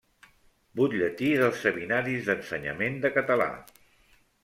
Butlletí dels Seminaris d’Ensenyament de Català.